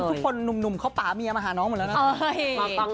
ทุกคนหนุ่มเขาป่าเมียมาหาน้องหมดแล้วนะ